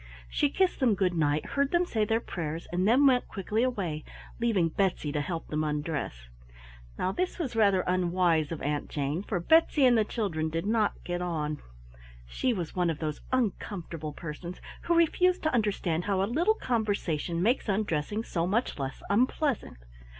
She kissed them good night, heard them say their prayers, and then went quickly away, leaving Betsy to help them undress. Now this was rather unwise of Aunt Jane, for Betsy and the children did not get on. She was one of those uncomfortable persons who refuse to understand how a little conversation makes undressing so much less unpleasant.